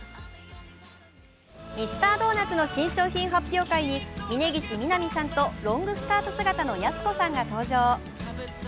ミスタードーナツの新商品発表会に峯岸みなみさんとロングスカート姿のやす子さんさんが登場。